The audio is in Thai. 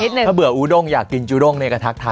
เกิดอูด้งอยากกินจับอุ๊ด้งในกระทักทาย